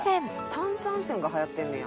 「炭酸泉がはやってんねや」